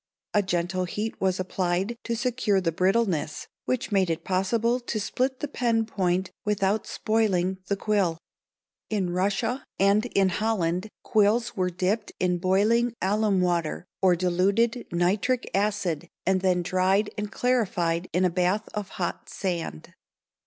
A gentle heat was applied to secure the brittleness which made it possible to split the pen point without spoiling the quill. In Russia and in Holland quills were dipped in boiling alum water or diluted nitric acid and then dried and clarified in a bath of hot sand.